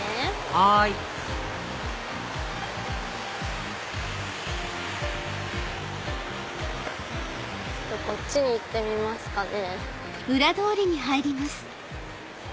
はいこっちに行ってみますかね。